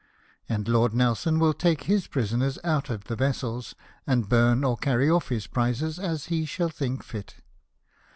And Lord Nelson will take his prisoners out of the vessels, and burn or carry off .his prizes as he shall think fit.